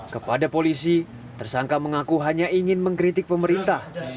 kepada polisi tersangka mengaku hanya ingin mengkritik pemerintah